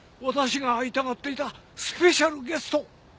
私が会いたがっていたスペシャルゲスト。